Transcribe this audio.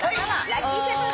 ラッキーセブン！